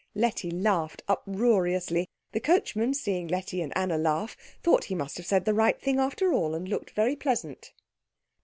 Letty laughed uproariously. The coachman, seeing Letty and Anna laugh, thought he must have said the right thing after all, and looked very pleasant.